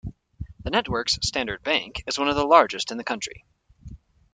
The network's Standard Bank is one of the largest in the country.